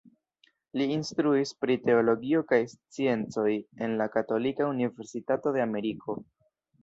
Li instruis pri teologio kaj sciencoj en la Katolika Universitato de Ameriko.